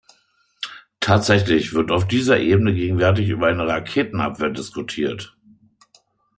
Tatsächlich wird auf dieser Ebene gegenwärtig über eine Raketenabwehr diskutiert.